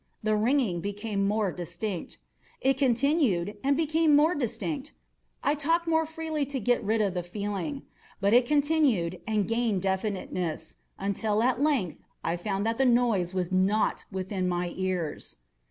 The ringing became more distinct:—it continued and became more distinct: I talked more freely to get rid of the feeling: but it continued and gained definiteness—until, at length, I found that the noise was not within my ears.